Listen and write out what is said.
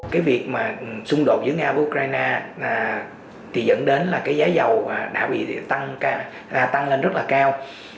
cái việc xung đột giữa nga và ukraine dẫn đến giá dầu đã bị tăng lên rất là cao